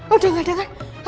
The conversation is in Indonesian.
udah gak ada kan